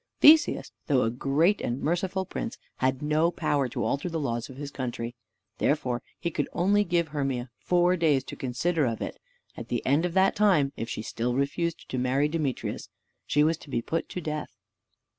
Theseus, though a great and merciful prince, had no power to alter the laws of his country; therefore he could only give Hermia four days to consider of it: and at the end of that time, if she still refused to marry Demetrius, she was to be put to death.